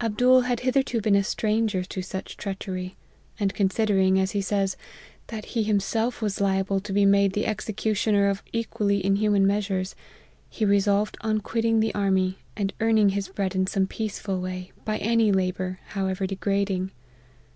Ab dool had hitherto been a stranger to such treachery ; and considering, as he says, that he himself was liable to be made the executioner of equally inhu man measures, he resolved on quitting the army, and earning his bread in some peaceful way, by any labour, however degrading.